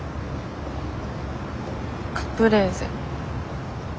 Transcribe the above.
カプレーゼ。